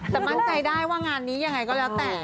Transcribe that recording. แต่มั่นใจได้ว่างานนี้ยังไงก็แล้วแต่